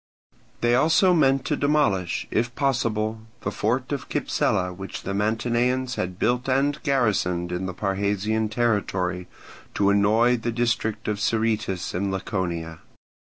They also meant to demolish, if possible, the fort of Cypsela which the Mantineans had built and garrisoned in the Parrhasian territory, to annoy the district of Sciritis in Laconia.